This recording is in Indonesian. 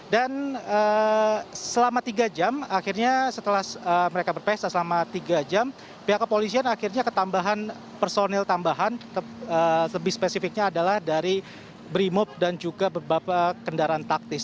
dan selama tiga jam akhirnya setelah mereka berpesta selama tiga jam pihak kepolisian akhirnya ketambahan personil tambahan lebih spesifiknya adalah dari berimob dan juga berbaba kendaraan taktis